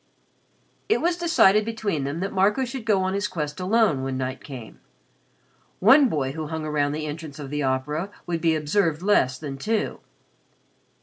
It was decided between them that Marco should go on his quest alone when night came. One boy who hung around the entrance of the Opera would be observed less than two.